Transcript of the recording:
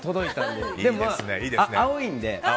でも、青いので。